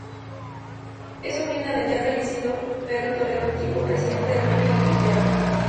Es sobrina del ya fallecido Pedro Toledo, antiguo presidente del Banco de Vizcaya.